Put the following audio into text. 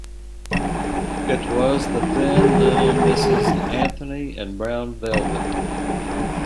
It was the thin little Mrs. Anthony in brown velvet.